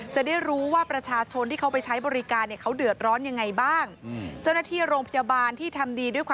จะได้รู้ว่าประชาชนที่เขาไปใช้บริการเนี่ย